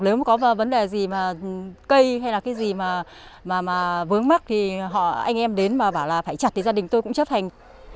nếu mà có vấn đề gì mà cây hay là cái gì mà vướng mắt thì anh em đến mà bảo là phải chặt thì gia đình tôi cũng chấp hành